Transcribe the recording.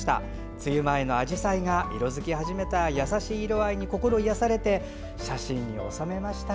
梅雨の前のあじさいが色づき始めて優しい色合いに心癒やされて写真に収めました。